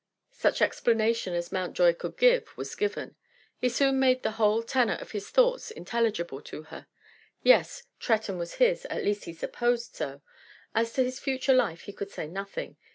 Such explanation as Mountjoy could give was given. He soon made the whole tenor of his thoughts intelligible to her. "Yes; Tretton was his, at least he supposed so. As to his future life he could say nothing.